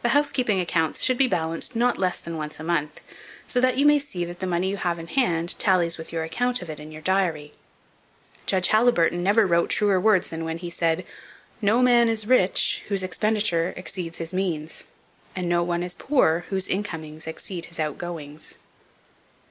The housekeeping accounts should be balanced not less than once a month; so that you may see that the money you have in hand tallies with your account of it in your diary. Judge Haliburton never wrote truer words than when he said, "No man is rich whose expenditure exceeds his means, and no one is poor whose incomings exceed his outgoings."